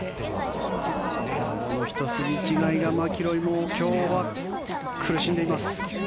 このひと筋違いが、マキロイも今日は苦しんでいます。